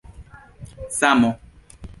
samo